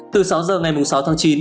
từ sáu h ngày sáu tháng chín